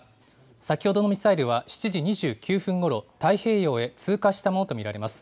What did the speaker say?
先ほどのミサイルは７時２９分ごろ、太平洋へ通過したものと見られます。